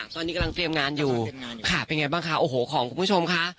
ตอนนี้กำลังเตรียมงานอยู่ค่ะเป็นไงบ้างคะโอ้โหของคุณผู้ชมค่ะ